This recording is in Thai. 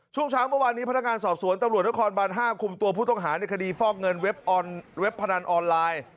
ช่วงเช้าเมื่อวานนี้พนักงานสอบสวนตำรวจนครบาน๕คุมตัวผู้ต้องหาในคดีฟอกเงินเว็บพนันออนไลน์